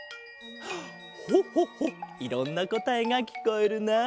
ホホホいろんなこたえがきこえるな。